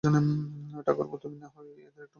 ঠাকুরপো, তুমি নাহয় ওদের একটু মন রেখেই চলো না।